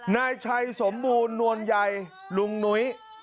นายชัยสมบูรณ์นวลใยลุงนุ้ย